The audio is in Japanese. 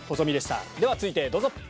では続いてどうぞ。